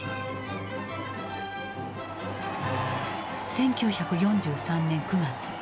１９４３年９月。